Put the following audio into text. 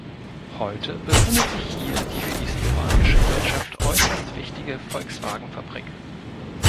Heute befindet sich hier die für die slowakische Wirtschaft äußerst wichtige Volkswagen-Fabrik.